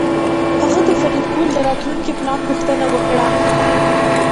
هغه د فریدګل د راتلونکي پلان پوښتنه وکړه